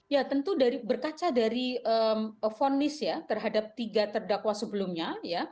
ya tentu berkaca dari vonis ya terhadap tiga terdakwa sebelumnya